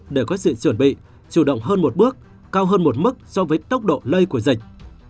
để có sự chuẩn bị chủ động hơn một bước cao hơn một mức so với tốc độ lây của dịch